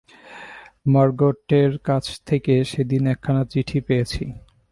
মার্গটের কাছ থেকে সেদিন একখানা চিঠি পেয়েছি।